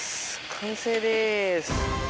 完成です。